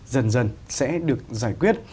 dần dần sẽ được giải quyết